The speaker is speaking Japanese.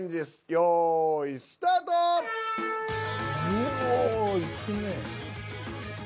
うわいくね。